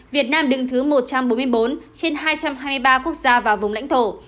việt nam đứng thứ một trăm bốn mươi bốn trên hai trăm hai mươi ba quốc gia và vùng lãnh thổ